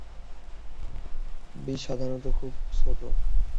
বীজ সাধারণত খুব ছোট।